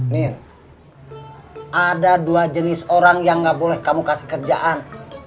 nih ada dua jenis orang yang gak boleh kamu kasih kerjaan